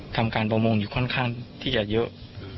ทำการประมงอยู่ค่อนข้างที่จะเยอะ